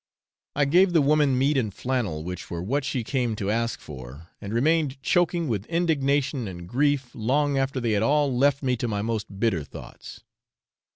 I gave the woman meat and flannel, which were what she came to ask for, and remained choking with indignation and grief long after they had all left me to my most bitter thoughts.